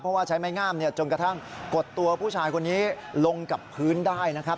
เพราะว่าใช้ไม้งามจนกระทั่งกดตัวผู้ชายคนนี้ลงกับพื้นได้นะครับ